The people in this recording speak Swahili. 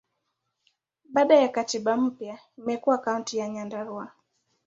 Baada ya katiba mpya, imekuwa Kaunti ya Nyandarua.